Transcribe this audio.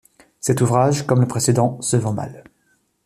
Cet ouvrage, comme le précédent, se vend mal.